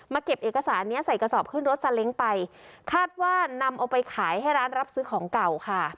เก็บเอกสารเนี้ยใส่กระสอบขึ้นรถซาเล้งไปคาดว่านำเอาไปขายให้ร้านรับซื้อของเก่าค่ะ